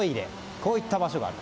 こういった場所がある。